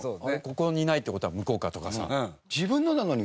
ここにないって事は向こうかとかさ。